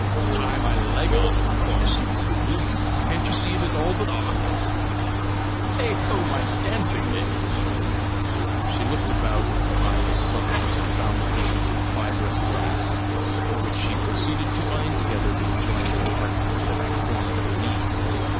"Tie my leg on, of course, you fool! Can't you see it is all but off? Heigho, my dancing days!" She looked about with her eyeless sockets and found a piece of fibrous grass, with which she proceeded to bind together the adjoining parts that had formed the knee.